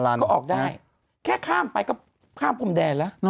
ก็ออกได้แค่ข้ามไปก็ข้ามพรมแดนแล้ว